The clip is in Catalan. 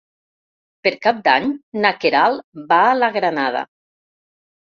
Per Cap d'Any na Queralt va a la Granada.